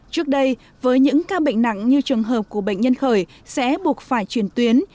trước đây với những ca bệnh nặng như trường hợp của bệnh nhân khởi sẽ buộc phải chuyển tuyến